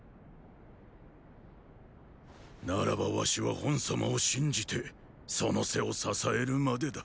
ならば儂は賁様を信じてその背を支えるまでだ。